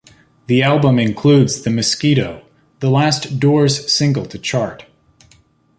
The album includes "The Mosquito", the last Doors single to chart.